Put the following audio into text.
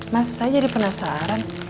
mas saya jadi penasaran